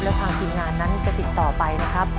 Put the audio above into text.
แล้วทางทีมงานนั้นจะติดต่อไปนะครับ